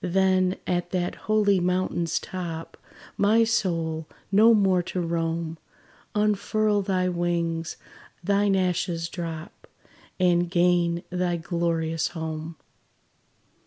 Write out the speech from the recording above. Then at that holy mountain's top, My soul, no more to roam, Unfurl thy wings thine ashes drop; And gain thy glorious home.